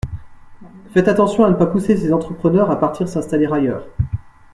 Faites attention à ne pas pousser ces entrepreneurs à partir s’installer ailleurs.